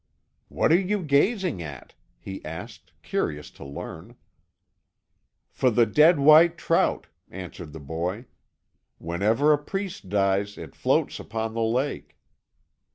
"What are you gazing at?" he asked, curious to learn. "For the dead white trout," answered the boy. "Whenever a priest dies it floats upon the lake."